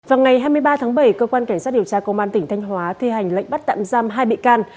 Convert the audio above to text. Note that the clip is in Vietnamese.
vào ngày hai mươi ba tháng bảy cơ quan cảnh sát điều tra công an tỉnh thanh hóa thi hành lệnh bắt tạm giam hai bị can